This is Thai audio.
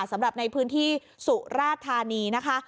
สำหรับในพื้นที่สุราธานีนะคะ